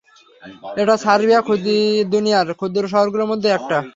এটা সার্বিয়া, দুনিয়ার ক্ষুদ্র শহরগুলোর মধ্যে একটা!